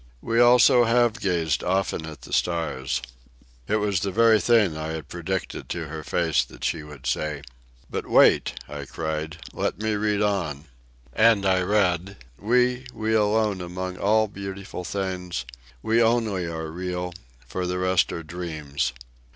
"We also have gazed often at the stars." It was the very thing I had predicted to her face that she would say. "But wait," I cried. "Let me read on." And I read: "'We, we alone among all beautiful things, We only are real: for the rest are dreams.